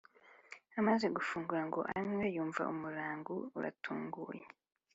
amaze gufungura ngo anywe, yumva umurangu uratunguye